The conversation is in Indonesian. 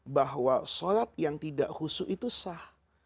bahwa sholat yang tidak khusyuk itu sah